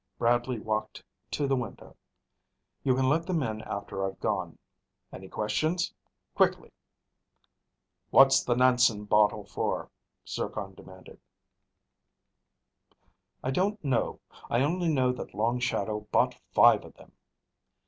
Bradley walked to the window. "You can let them in after I've gone. Any questions? Quickly!" "What's the Nansen bottle for?" Zircon demanded. "I don't know. I only know that Long Shadow bought five of them."